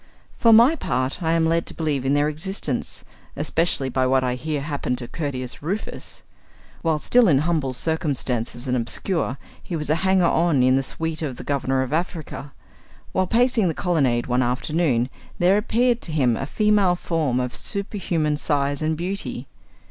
For my part, I am led to believe in their existence, especially by what I hear happened to Curtius Rufus. While still in humble circumstances and obscure, he was a hanger on in the suit of the Governor of Africa. While pacing the colonnade one afternoon, there appeared to him a female form of superhuman size and beauty.